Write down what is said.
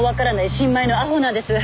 新米の阿呆なんです。